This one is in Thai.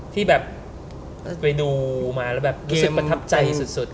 ที่ไปดูมาแล้วรู้สึกพระธัปใจสุด